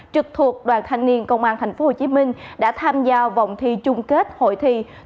trực thuộc đoàn thanh niên công an tp hcm đã tham gia vòng thi chung kết hội thi